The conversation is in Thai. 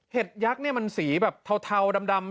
เห็ดยักษ์มันสีแบบเทาดำ